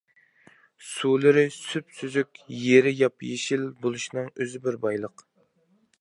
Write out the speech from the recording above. سۇلىرى سۈپسۈزۈك، يېرى ياپيېشىل بولۇشنىڭ ئۆزى بىر بايلىق.